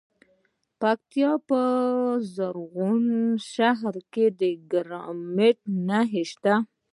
د پکتیکا په زرغون شهر کې د کرومایټ نښې شته.